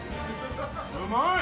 「うまい！」